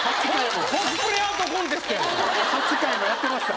８回もやってました？